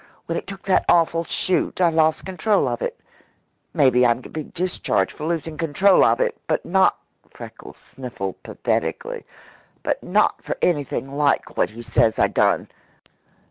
When it took that awful shoot, I lost control of it. Maybe I'm to be discharged for losing control of it, but not" Freckles sniffled pathetically "but not for anything like what he says I done.